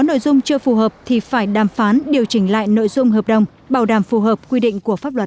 nội dung chưa phù hợp thì phải đàm phán điều chỉnh lại nội dung hợp đồng bảo đảm phù hợp quy định của pháp luật